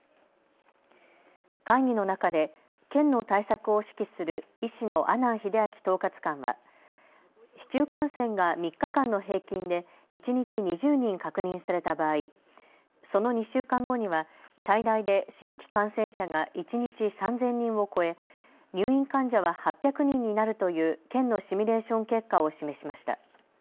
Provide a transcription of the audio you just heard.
会議の中で県の対策を指揮する医師の阿南英明統括官は市中感染が３日間の平均で一日２０人確認された場合、その２週間後には最大で新規感染者が一日３０００人を超え入院患者は８００人になるという県のシミュレーション結果を示しました。